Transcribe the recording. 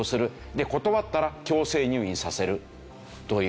断ったら強制入院させるという。